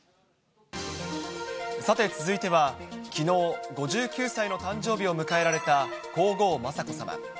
さて、続いてはきのう、５９歳の誕生日を迎えられた皇后雅子さま。